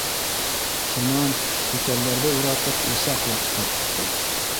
Шунан түтәлдәрҙе уратып усаҡ яҡтыҡ.